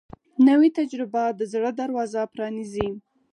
نوې تجربه د زړه دروازه پرانیزي